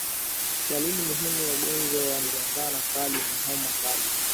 Dalili muhimu ya ugonjwa wa ndigana kali ni homa kali